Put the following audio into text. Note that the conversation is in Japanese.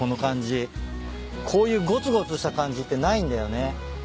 こういうごつごつした感じってないんだよね。